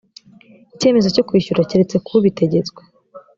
icyemezo cyo kwishyura keretse ku bitegetswe